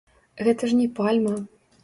Гэта ж не пальма.